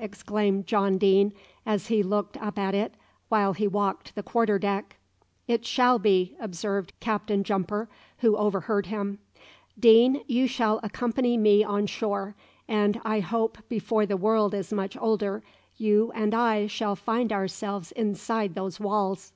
exclaimed John Deane, as he looked up at it while he walked the quarter deck. "It shall be!" observed Captain Jumper, who overheard him. "Deane, you shall accompany me on shore; and I hope before the world is much older, you and I shall find ourselves inside those walls."